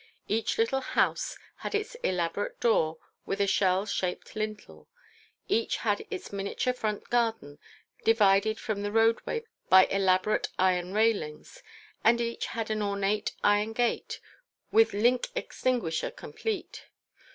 Each little house had its elaborate door with a shell shaped lintel; each had its miniature front garden, divided from the road way by elaborate iron railings; and each had an ornate iron gate with link extinguisher complete.